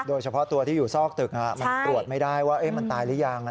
โดยเฉพาะตัวที่อยู่ซอกตึกมันตรวจไม่ได้ว่ามันตายหรือยัง